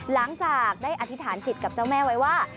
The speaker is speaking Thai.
หลังจากได้อธิษฐานจิตกับเจ้าแม่ไว้ว่า